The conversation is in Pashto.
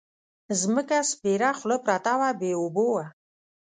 ځمکه سپېره خوله پرته وه بې اوبو وه.